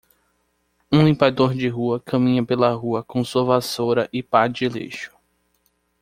Um limpador de rua caminha pela rua com sua vassoura e pá de lixo.